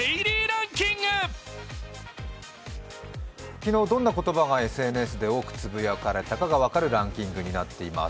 昨日、どんな言葉がＳＮＳでつぶやかれたかが分かるランキングになっています。